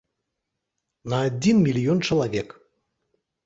На адзін мільён чалавек.